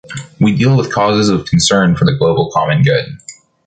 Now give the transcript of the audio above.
We deal with causes of concern for the global common good.